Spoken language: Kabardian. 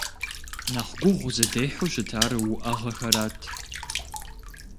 Нэхъ гугъу зыдехьу щытар уӏэгъэхэрат.